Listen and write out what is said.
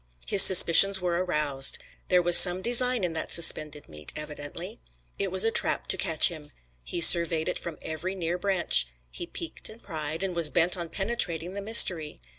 His suspicions were aroused. There was some design in that suspended meat, evidently. It was a trap to catch him. He surveyed it from every near branch. He peeked and pried, and was bent on penetrating the mystery.